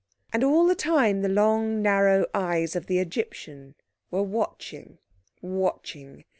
And all the time the long, narrow eyes of the Egyptian were watching, watching.